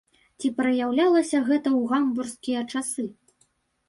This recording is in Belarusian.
Ці праяўлялася гэта ў гамбургскія часы?